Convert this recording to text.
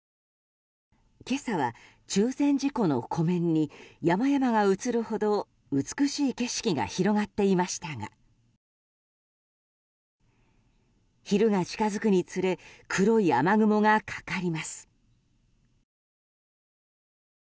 今朝は中禅寺湖の湖面に山々が映るほど美しい景色が広がっていましたが昼が近づくにつれ黒い雨雲がかかります。